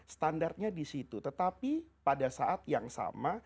standarnya disitu tetapi pada saat yang sama